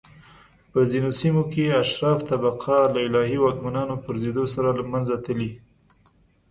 په ځینو سیمو کې اشراف طبقه له الهي واکمنانو پرځېدو سره له منځه تللي